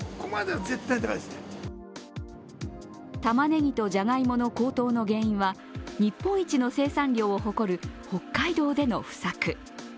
たまねぎとじゃがいもの高騰の原因は日本一の生産量を誇る北海道での不作。